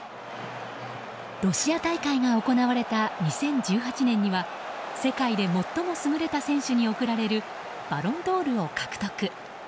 ロシア大会が行われた２０１８年には世界で最も優れた選手に贈られるバロンドールを獲得。